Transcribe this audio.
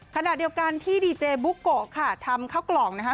ขณะเดียวกันที่ดีเจบุโกะค่ะทำข้าวกล่องนะคะ